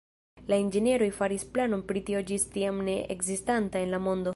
La inĝenieroj faris planon pri tio ĝis tiam ne ekzistanta en la mondo.